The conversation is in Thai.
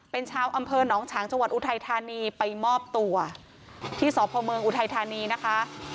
เป็นชาวอำเภอหนองฉางจังหวัดอุทัยธานีไปมอบตัวที่สพเมืองอุทัยธานีนะคะ